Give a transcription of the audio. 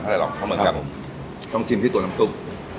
อะไรหรอกเขาเหมือนกับต้องชิมที่ตัวน้ำซุป